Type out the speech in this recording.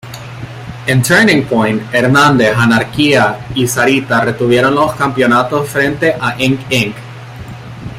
En "Turning Point", Hernández, Anarquía y Sarita retuvieron los campeonatos frente a Ink Inc.